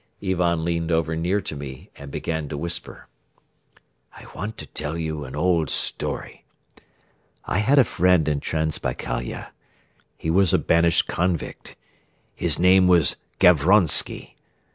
Ivan leaned over near to me and began to whisper. "I want to tell you an old story. I had a friend in Transbaikalia. He was a banished convict. His name was Gavronsky.